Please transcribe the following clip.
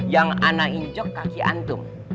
yang anak injok kaki antum